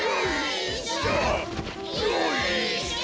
よいしょ！